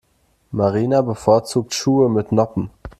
Marina bevorzugt Schuhe mit Noppen.